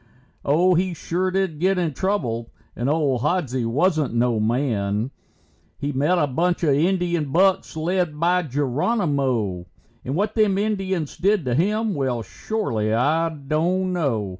Oh, he sure did get in trouble, and old Hodsie wasn't no man. He met a bunch of Indian bucks led by Geronimo, And what them Indians did to him, well, shorely I don't know.